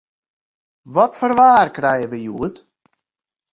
Wat foar waar krije we hjoed?